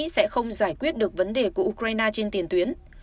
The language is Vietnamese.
sẽ không giải quyết được vấn đề của ukraine trên tiền tuyến